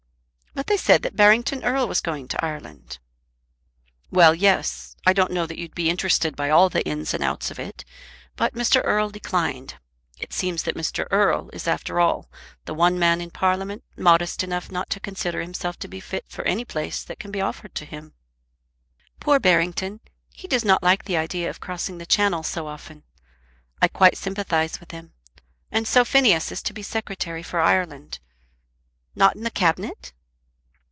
"But they said that Barrington Erle was going to Ireland." "Well; yes. I don't know that you'd be interested by all the ins and outs of it. But Mr. Erle declined. It seems that Mr. Erle is after all the one man in Parliament modest enough not to consider himself to be fit for any place that can be offered to him." "Poor Barrington! He does not like the idea of crossing the Channel so often. I quite sympathise with him. And so Phineas is to be Secretary for Ireland! Not in the Cabinet?"